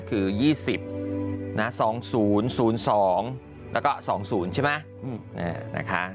เรียกได้ว่ากันคือ๒๐๒๐๐๒แล้วก็๒๐ใช่ไหมนี่นะคะ